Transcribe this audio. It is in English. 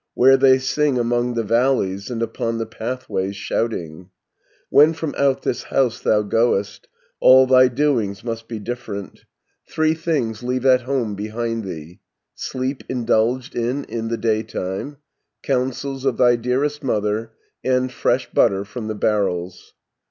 Where they sing among the valleys, And upon the pathways shouting. "When from out this house thou goest, All thy doings must be different; Three things leave at home behind thee, Sleep indulged in in the daytime, Counsels of thy dearest mother, And fresh butter from the barrels.